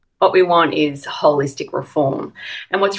apa yang kita inginkan adalah reforman yang holistik